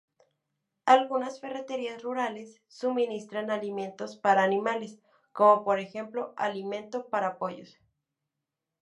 Algunas ferreterías rurales suministran alimento para animales, como por ejemplo alimento para pollos.